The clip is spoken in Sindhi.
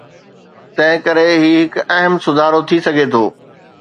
تنهنڪري هي هڪ اهم سڌارو ٿي سگهي ٿو.